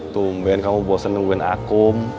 tung ben kamu bosan nungguin aku